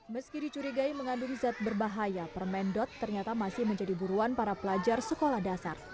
meski dicurigai mengandung zat berbahaya permen dot ternyata masih menjadi buruan para pelajar sekolah dasar